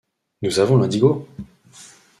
nous avons l’indigo !